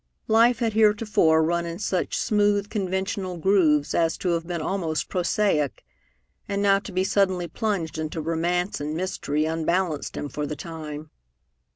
Life had heretofore run in such smooth, conventional grooves as to have been almost prosaic; and now to be suddenly plunged into romance and mystery unbalanced him for the time.